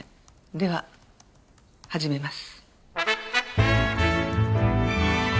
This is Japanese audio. では始めます。